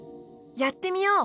やってみよう！